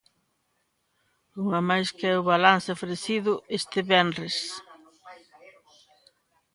Unha máis que o balance ofrecido este venres.